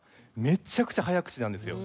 めちゃくちゃ早口なんですよ。